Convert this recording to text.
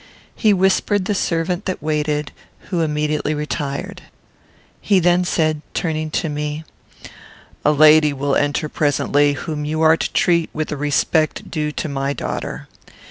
He whispered the servant that waited, who immediately retired. He then said, turning to me, "A lady will enter presently, whom you are to treat with the respect due to my daughter.